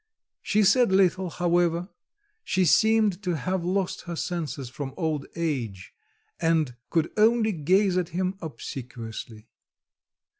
She said little, however; she seemed to have lost her senses from old age, and could only gaze at him obsequiously.